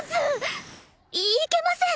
いけません！